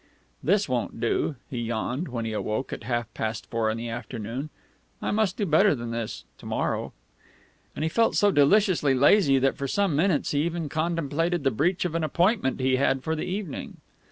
"This won't do," he yawned when he awoke at half past four in the afternoon; "I must do better than this to morrow " And he felt so deliciously lazy that for some minutes he even contemplated the breach of an appointment he had for the evening.